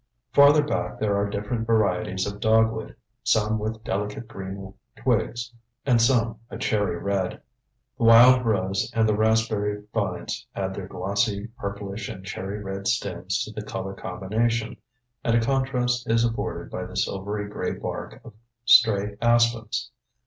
Farther back there are different varieties of dogwood, some with delicate green twigs and some a cherry red. The wild rose and the raspberry vines add their glossy purplish and cherry red stems to the color combination, and a contrast is afforded by the silvery gray bark of stray aspens.